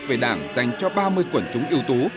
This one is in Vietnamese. về đảng dành cho ba mươi quẩn chúng yếu tố